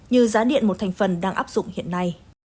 như giá điện một thành phần đang áp dụng hiện nay